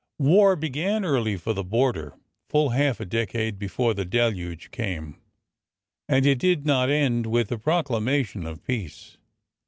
War began early for the border,— full half a decade be fore the deluge came, — and it did not end with the procla mation of peace.